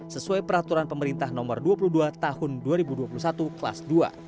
sesuai peraturan pemerintah nomor dua puluh dua tahun dua ribu dua puluh satu kelas dua